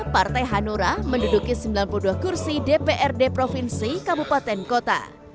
partai hanura menduduki sembilan puluh dua kursi dprd provinsi kabupaten kota